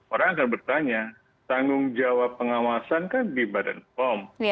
orang akan bertanya tanggung jawab pengawasan kan di badan pom